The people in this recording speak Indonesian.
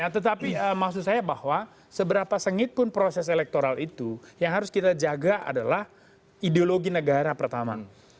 tetapi maksud saya bahwa seberapa sengit pun proses elektoral itu yang harus kita jaga adalah ideologi negara pertama